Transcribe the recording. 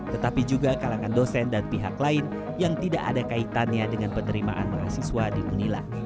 tetapi juga kalangan dosen dan pihak lain yang tidak ada kaitannya dengan penerimaan mahasiswa di unila